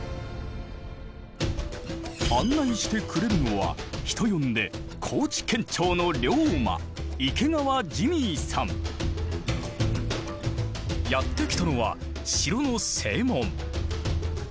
案内してくれるのは人呼んでやって来たのは城の正門。